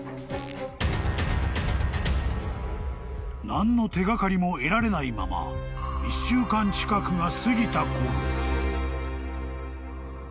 ［何の手がかりも得られないまま１週間近くが過ぎたころ］